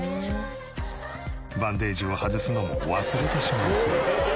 バンデージを外すのも忘れてしまうほど。